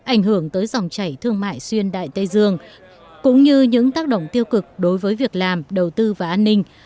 ảnh hưởng tới dòng chảy thương mại xuyên đại tây dương cũng như những tác động tiêu cực đối với việc làm đầu tư và an ninh